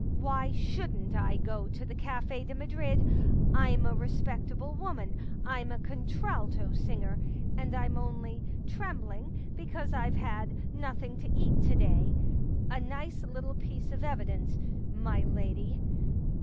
Why shouldn't I go to the Cafe de Madrid ? I'm a respectable woman — I'm a con tralto singer. And I'm only trembling because I've had nothing to eat to day. ...* A nice little piece of evidence, my lady.